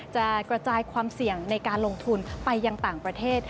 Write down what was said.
จะกระจายความเสี่ยงในการลงทุนไปยังต่างประเทศ